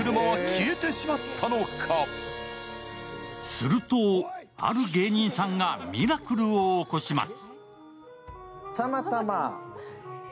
するとある芸人さんがミラクルを起こします。